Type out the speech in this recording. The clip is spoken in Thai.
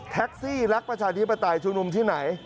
แท็กซี่รักประชาธิปไตยชุมนุมที่ไหน